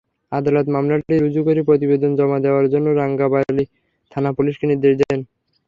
আদালত মামলাটি রুজু করে প্রতিবেদন জমা দেওয়ার জন্য রাঙ্গাবালী থানা-পুলিশকে নির্দেশ দেন।